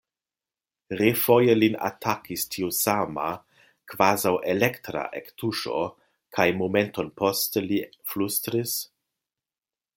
Refoje lin atakis tiu sama kvazaŭ elektra ektuŝo, kaj momenton poste li flustris: